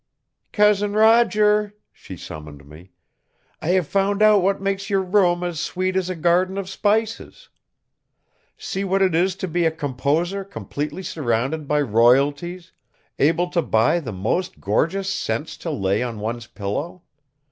"Cousin Roger," she summoned me, "I have found out what makes your room as sweet as a garden of spices. See what it is to be a composer completely surrounded by royalties, able to buy the most gorgeous scents to lay on one's pillow!